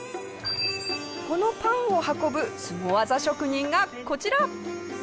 このパンを運ぶスゴ技職人がこちら。